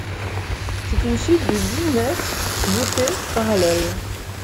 C'est une suite de dix nefs voûtées parallèles.